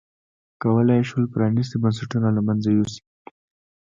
کولای یې شول پرانیستي بنسټونه له منځه یوسي.